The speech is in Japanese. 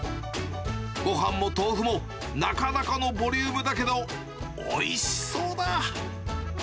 ごはんも豆腐もなかなかのボリュームだけど、おいしそうだ。